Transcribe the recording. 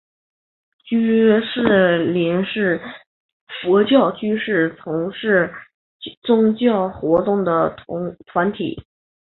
居士林是佛教居士从事宗教活动的团体。